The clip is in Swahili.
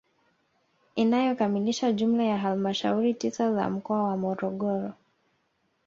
Inayokamilisha jumla ya halmashauri tisa za mkoa wa Morogoro